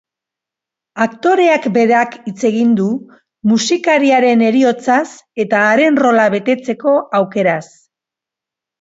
Aktoreak berak hitz egin du musikariaren heriotzaz eta haren rola betetzeko aukeraz.